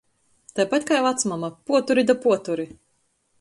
Taipat kai vacmama — puoteri da puoteri.